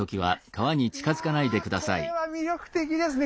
いやこれは魅力的ですね